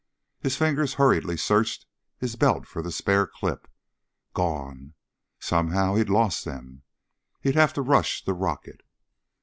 His fingers hurriedly searched his belt for the spare clips. Gone. Somehow he'd lost them. He'd have to rush the rocket.